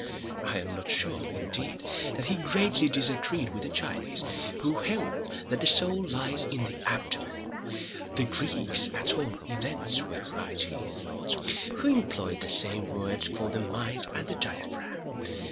I am not sure, indeed, that he greatly disagreed with the Chinese, who held that the soul lies in the abdomen. The Greeks at all events were right, he thought, who employed the same words for the mind and the diaphragm.